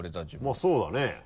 まぁそうだね。